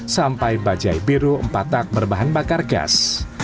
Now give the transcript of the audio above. sampai bajai biru empat tak berbahan bakar gas